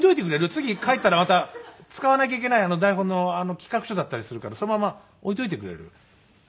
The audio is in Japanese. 次帰ったらまた使わなきゃいけない台本の企画書だったりするからそのまま置いておいてくれる？